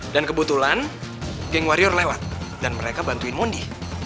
dan kebetulan geng wario lewat dan mereka bantuin mondi